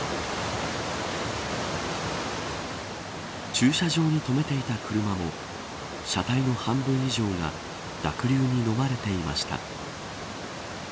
駐車場に止めていた車も車体の半分以上が濁流にのまれていました。